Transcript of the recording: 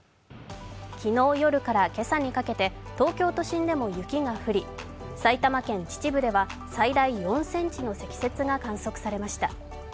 昨日夜から今朝にかけて東京都心でも雪が降り埼玉県・秩父では最大４ｃｍの積雪が観測されました。